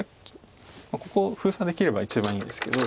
ここを封鎖できれば一番いいんですけど。